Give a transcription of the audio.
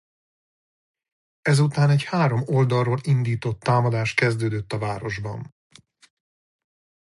Ezután egy három oldalról indított támadás kezdődött a városban.